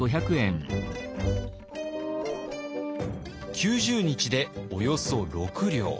９０日でおよそ６両。